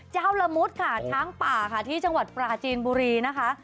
ละมุดค่ะช้างป่าค่ะที่จังหวัดปราจีนบุรีนะคะ